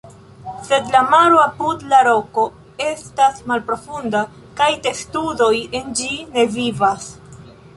Sed la maro apud la roko estas malprofunda kaj testudoj en ĝi ne vivas.